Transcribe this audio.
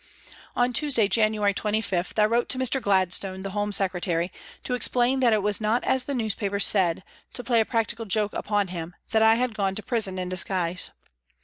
On Tuesday, January 25, 1 wrote to Mr. Gladstone, the Home Secretary, to explain that it was not as the newspapers said, to play a practical joke upon him, that I had gone to prison in disguise.